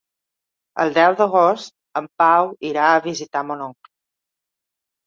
El deu d'agost en Pau irà a visitar mon oncle.